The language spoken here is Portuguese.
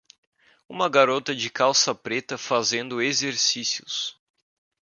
Uma garota de calça preta fazendo exercícios.